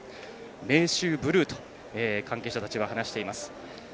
明秀ブルーと関係者たちは話しています。